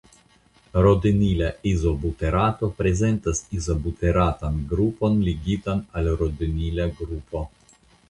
Rodinila izobuterato prezentas izobuteratan grupon ligitan al rodinila grupo.